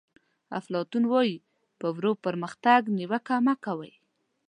افلاطون وایي په ورو پرمختګ نیوکه مه کوئ.